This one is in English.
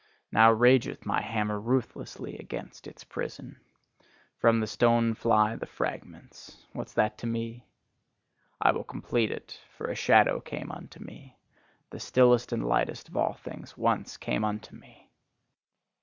Now rageth my hammer ruthlessly against its prison. From the stone fly the fragments: what's that to me? I will complete it: for a shadow came unto me the stillest and lightest of all things once came unto me!